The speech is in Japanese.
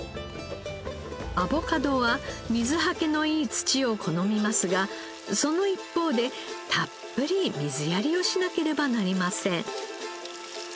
アボカドは水はけのいい土を好みますがその一方でたっぷり水やりをしなければなりません。